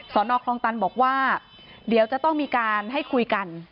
นอคลองตันบอกว่าเดี๋ยวจะต้องมีการให้คุยกัน